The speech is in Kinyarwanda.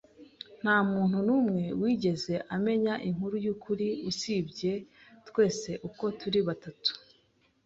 Ntamuntu numwe wigeze amenya inkuru yukuri usibye twese uko turi batatu.